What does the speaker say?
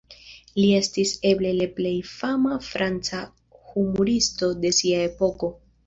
Li estis eble le plej fama franca humuristo de sia epoko.